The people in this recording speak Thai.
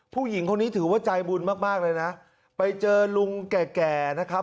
ผู้หญิงคนนี้ถือว่าใจบุญมากมากเลยนะไปเจอลุงแก่แก่นะครับ